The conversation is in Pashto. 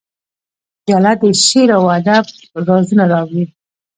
پیاله د شعرو او ادب رازونه اوري.